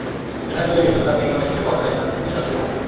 যেখানে তলিয়ে গিয়েছিল তার থেকে অনেক দূরে পাওয়া যায় নাতনি-দাদির মরদেহ।